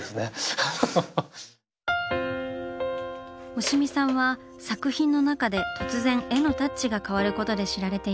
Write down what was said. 押見さんは作品の中で突然絵のタッチが変わることで知られています。